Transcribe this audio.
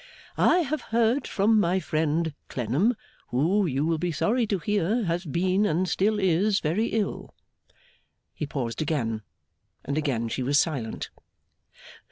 'I have heard from my friend Clennam, who, you will be sorry to hear, has been and still is very ill ' He paused again, and again she was silent.